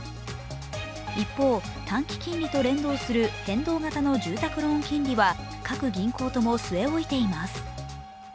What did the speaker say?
一方、短期金利と連動する変動型の住宅ローン金利は各銀行とも据え置いています。